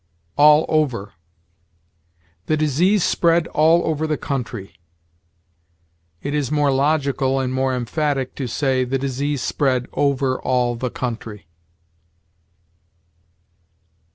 ALL OVER. "The disease spread all over the country." It is more logical and more emphatic to say, "The disease spread over all the country."